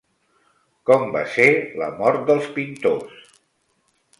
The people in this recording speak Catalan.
Com va ser la mort dels pintors?